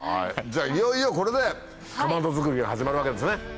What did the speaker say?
じゃあいよいよこれでかまど作りが始まるわけですね。